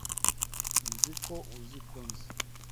Nzi ko uzi ko nzi.